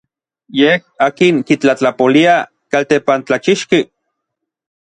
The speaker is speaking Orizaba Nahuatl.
Yej n akin kitlatlapolia n kaltempantlachixki.